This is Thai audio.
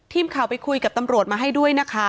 ทีมข่าวไปคุยกับตำรวจมาให้ด้วยนะคะ